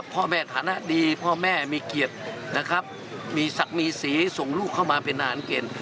ฐานะดีพ่อแม่มีเกียรตินะครับมีศักดิ์มีสีส่งลูกเข้ามาเป็นทหารเกณฑ์